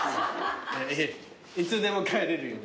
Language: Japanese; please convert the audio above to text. いつでも帰れるように。